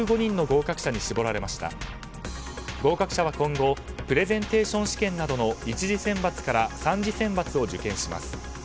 合格者は今後プレゼンテーション試験などの１次選抜から３次選抜を受験します。